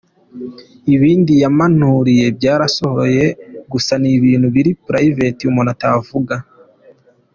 Ibindi yampanuriye byarasohoye gusa ni ibintu biri Private umuntu atavuga.